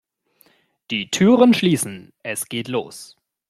Die Türen schließen, es geht los!